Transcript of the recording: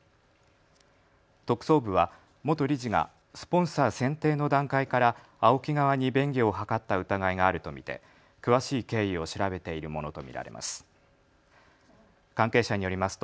特捜部は元理事がスポンサー選定の段階からＡＯＫＩ側に便宜を図った疑いがあると見て、詳しい経緯を調べているものと見られます。